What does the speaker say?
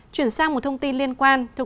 chuyển sang một thông tin liên quan